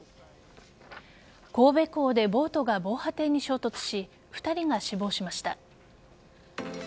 神戸港でボートが防波堤に衝突し２人が死亡しました。